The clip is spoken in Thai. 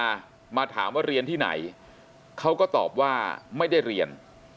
มามาถามว่าเรียนที่ไหนเขาก็ตอบว่าไม่ได้เรียน